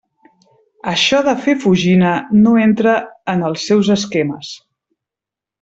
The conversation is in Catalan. Això de fer fugina, no entra en els seus esquemes.